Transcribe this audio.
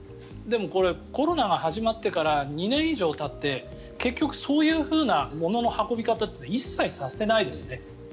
でもこれ、コロナが始まってから２年以上たって結局、そういうふうな物の運び方は一切させていないですね。